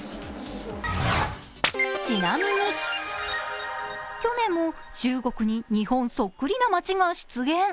ちなみに、去年も中国に日本そっくりな街が出現。